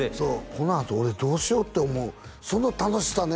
このあと俺どうしようって思うその楽しさね